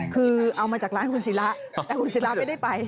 คือเอามาจากร้านคุณศิลาแต่คุณศิราไม่ได้ไป